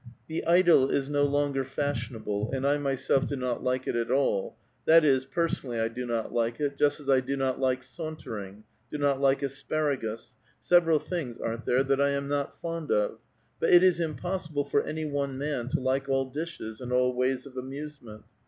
The idyl is no longer fashionable, and 1 myself do not like it at all ; that is, personally I do not like it, just as 1 do not like sauntering, do not like asparagus — several things, aren't there, that I am not fond of? but it is impossible for any one man to like all dishes and all ways of amusement.